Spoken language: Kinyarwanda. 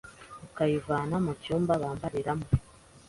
ukayivana mu cyumba bambariramo